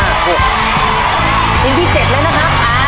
ให้เสร็จก่อนแม่ไปยืนรอ